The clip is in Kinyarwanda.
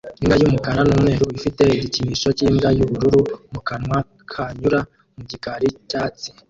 Imbwa y'umukara n'umweru ifite igikinisho cy'imbwa y'ubururu mu kanwa kanyura mu gikari cyatsi